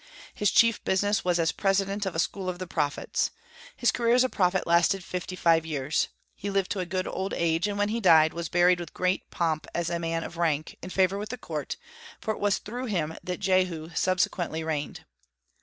His chief business was as president of a school of the prophets. His career as prophet lasted fifty five years. He lived to a good old age, and when he died, was buried with great pomp as a man of rank, in favor with the court, for it was through him that Jehu subsequently reigned.